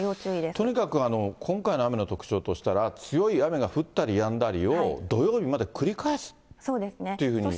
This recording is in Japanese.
とにかく今回の雨の特徴としたら、強い雨が降ったりやんだりを、土曜日まで繰り返すっていうふうに。